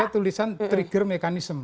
ada tulisan trigger mekanism